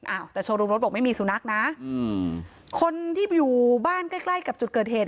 อ้าวแต่โชว์รูมรถบอกไม่มีสุนัขนะอืมคนที่อยู่บ้านใกล้ใกล้กับจุดเกิดเหตุ